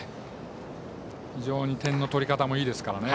非常に点の取り方もいいですからね。